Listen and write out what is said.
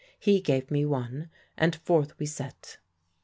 He gave me one, and forth we set.